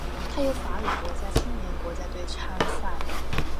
它由法语国家青年国家队参赛。